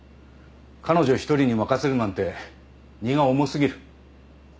彼女一人に任せるなんて荷が重過ぎる。